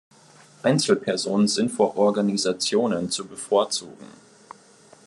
Einzelpersonen sind vor Organisationen zu bevorzugen.